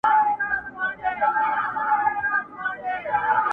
ډکي هدیرې به سي تشي بنګلې به سي!.